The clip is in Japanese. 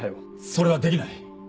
それはできない。